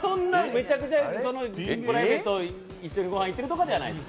めちゃくちゃプライベートで一緒にご飯行ってるとかじゃないです。